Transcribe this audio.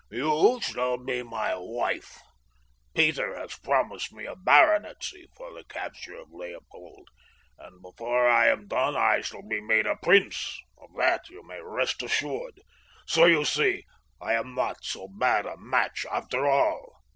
You shall be my wife. Peter has promised me a baronetcy for the capture of Leopold, and before I am done I shall be made a prince, of that you may rest assured, so you see I am not so bad a match after all."